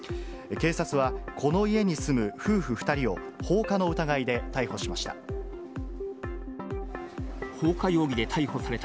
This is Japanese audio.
警察は、この家に住む夫婦２人を放火の疑いで逮捕しました。